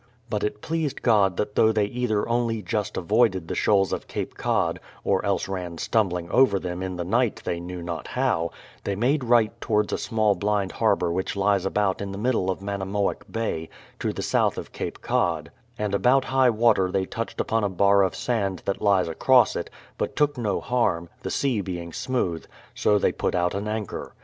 But it pleased God that though they either only just avoided the shoals of Cape Cod, or else ran stumbling over them in the night they knew not how, they made right towards a small blind harbour which lies about in the middle of Manamoick Bay, to the south of Cape Cod; and about high water they touched upon a bar of sand that lies across it, but took no harm, the sea being smooth; so they put out an anchor.